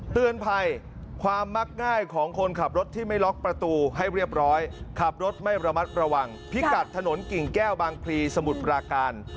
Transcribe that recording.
เตือนภัยความมักง่ายของคนขับรถที่ไม่ล็อกประตูให้เรียบร้อยขับรถไม่ระมัดระวังพิกัดถนนกิ่งแก้วบางพลีสมุทรปราการ